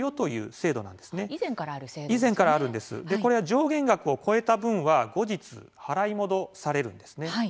上限額を超えた分は後日、払い戻されるんですね。